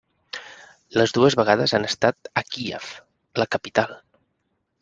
Les dues vegades han estat a Kíev, la capital.